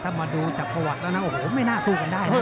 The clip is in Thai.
ถ้ามาดูจากประวัติแล้วนะโอ้โหไม่น่าสู้กันได้นะ